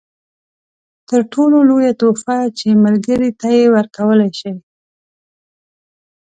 تر ټولو لویه تحفه چې ملګري ته یې ورکولای شئ.